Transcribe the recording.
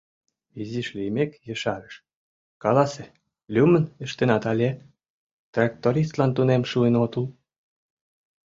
Изиш лиймек ешарыш: — Каласе, лӱмын ыштенат але... трактористлан тунем шуын отыл?